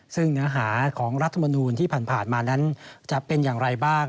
ซึ่งเนื้อหาของรัฐมนูลที่ผ่านมานั้นจะเป็นอย่างไรบ้าง